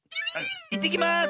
「いってきます！」